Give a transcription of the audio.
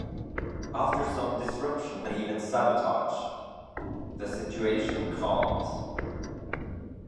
After some disruption and even sabotage, the situation calmed.